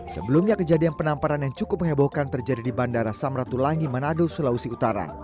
sebelumnya kejadian penamparan yang cukup mengebohkan terjadi di bandara samratulangi manado sulawesi utara